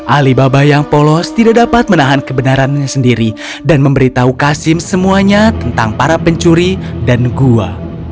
alibaba yang polos tidak dapat menahan kebenarannya sendiri dan memberitahu kasim semuanya tentang para pencuri dan gua